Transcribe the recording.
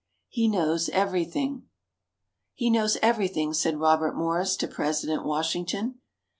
"HE KNOWS EVERYTHING" "He knows everything," said Robert Morris to President Washington.